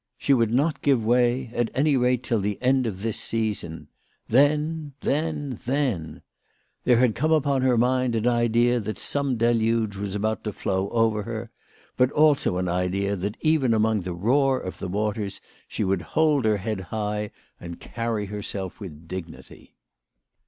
She would not give way, at any rate till the end of this season. Then then then ! There had come upon her mind an idea that some deluge was about to flow over her ; but also an idea that even among the roar of the waters she would hold her head high, and carry herself with dignity.